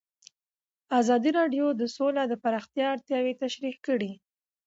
ازادي راډیو د سوله د پراختیا اړتیاوې تشریح کړي.